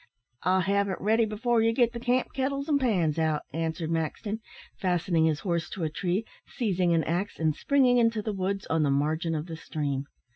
"I'll have it ready before you get the camp kettles and pans out," answered Maxton, fastening his horse to a tree, seizing an axe, and springing into the woods on the margin of the stream.